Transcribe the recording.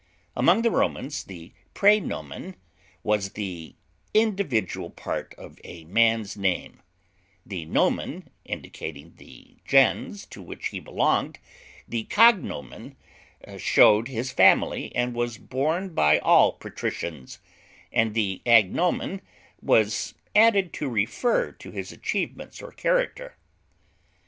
Among the Romans the prenomen was the individual part of a man's name, the "nomen" designated the gens to which he belonged, the cognomen showed his family and was borne by all patricians, and the agnomen was added to refer to his achievements or character.